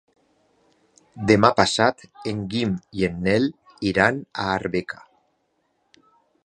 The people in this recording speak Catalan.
Demà passat en Guim i en Nel iran a Arbeca.